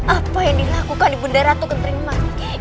apa yang dilakukan ibunda ratu kentrimanik